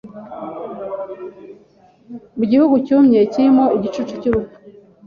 mu gihugu cyumye kirimo igicucu cy’urupfu,